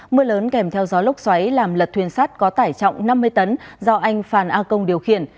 mưa lớn kèm theo gió lốc xoáy làm lật thuyền sát có tải trọng năm mươi tấn do anh phan a công điều khiển